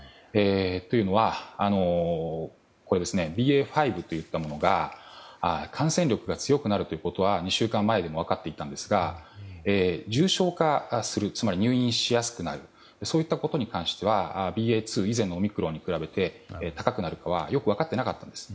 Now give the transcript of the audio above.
というのはＢＡ．５といったものが感染力が強くなるということは２週間前でも分かっていたんですが重症化するつまり入院しやすくなるそういったことに関してはＢＡ．２以前のオミクロンに比べて高くなるかはよく分かっていなかったんです。